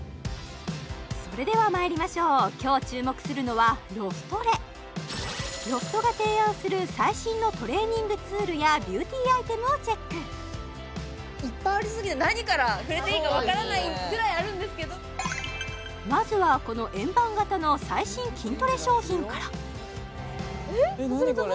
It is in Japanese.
それではまいりましょう今日注目するのはロフトレロフトが提案する最新のトレーニングツールやビューティーアイテムをチェックいっぱいありすぎて何から触れていいかわからないぐらいあるんですけどまずはこの円盤型の最新筋トレ商品から何これ？